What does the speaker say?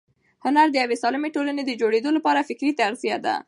هنر د یوې سالمې ټولنې د جوړېدو لپاره فکري تغذیه ده.